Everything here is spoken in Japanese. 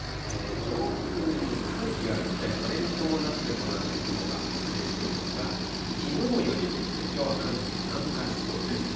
上空に寒気があるんですね、これに伴って、この辺り、雲が発生していますが、きのうよりもきょうは寒気が南下しそうです。